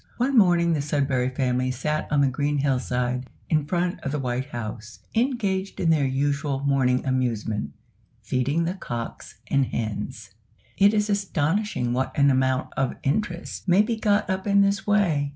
One morning the Sudberry Family sat on the green hill side, in front of the White House, engaged in their usual morning amusement feeding the cocks and hens. It is astonishing what an amount of interest may be got up in this way!